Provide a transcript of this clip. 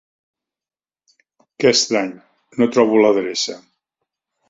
Que estrany, no trobo l'adreça!